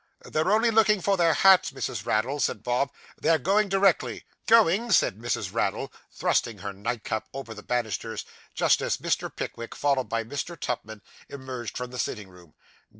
'They're only looking for their hats, Mrs. Raddle,' said Bob; 'they are going directly.' 'Going!' said Mrs. Raddle, thrusting her nightcap over the banisters just as Mr. Pickwick, followed by Mr. Tupman, emerged from the sitting room.